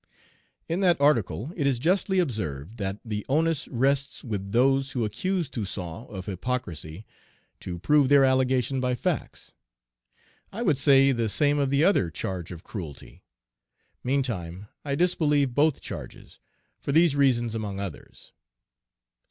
In that article it is justly observed that the onus rests with those who accuse Toussaint of hypocrisy to prove their allegation by facts. I would say the same of the other charge of cruelty. Meantime, I disbelieve both charges, for these reasons among others.